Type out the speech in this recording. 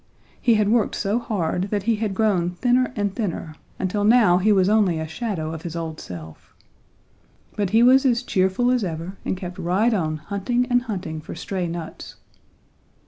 He had worked so hard that he had grown thinner and thinner until now he was only a shadow of his old self. But he was as cheerful as ever and kept right on hunting and hunting for stray nuts.